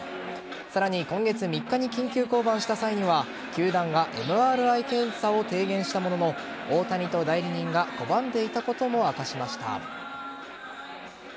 さらに今月３日に緊急降板した際には球団がＭＲＩ検査を提言したものの大谷と代理人が拒んでいたことも明かしました。